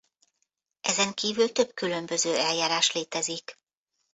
Ezen kívül több különböző eljárás létezik.